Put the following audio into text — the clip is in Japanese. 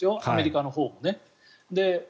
アメリカのほうもね。